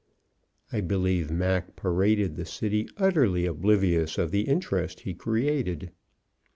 I believe Mac paraded the city utterly oblivious of the interest he created.